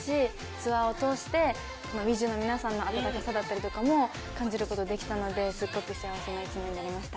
ツアーを通してＷｉｔｈＵの皆さんの温かさだったりとかも感じることができたのですごく幸せな１年になりました。